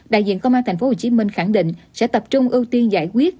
đại diện công an tp hcm khẳng định sẽ tập trung ưu tiên giải quyết